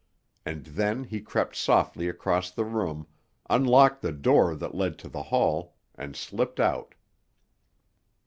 And then he crept softly across the room, unlocked the door that led to the hall, and slipped out.